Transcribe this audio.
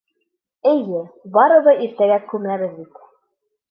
Эйе, барыбер иртәгә күмәбеҙ бит!